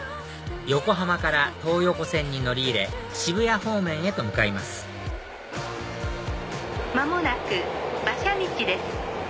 横浜から東横線に乗り入れ渋谷方面へと向かいます間もなく馬車道です。